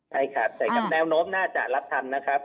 ใช่ครับแต่แนวโน้มน่าจะรับทันนะครับ